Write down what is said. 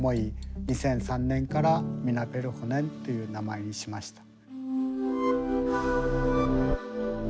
２００３年から「ミナペルホネン」という名前にしました。